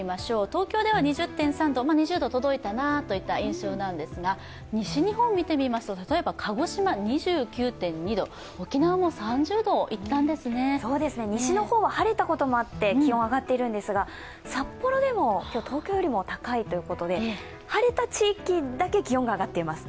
東京では２０．３度、２０度に届いたなという印象ですが、西日本を見てみますと例えば鹿児島２９．２度西の方は晴れたこともあって上がったんですが札幌でも今日、東京よりも高いということで晴れた地域だけ気温が上がっています。